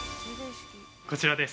◆こちらです。